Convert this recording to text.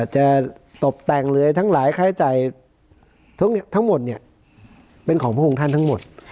จะตกแต่งเลยทั้งหลายค่าใช้จ่ายทั้งหมดเป็นของพระองค์ท่านทั้งหมด